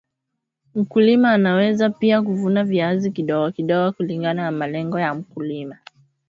mkulima anaweza pia kuvuna viazi kidogo kidogo kulingana na malengo ya mkulima